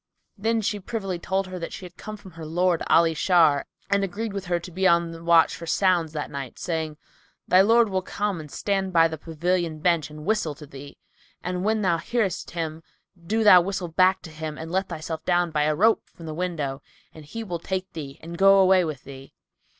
Then she privily told her that she came from her lord, Ali Shar, and agreed with her to be on the watch for sounds that night, saying, "Thy lord will come and stand by the pavilion bench and whistle[FN#294] to thee; and when thou hearest him, do thou whistle back to him and let thyself down to him by a rope from the window, and he will take thee and go away with thee."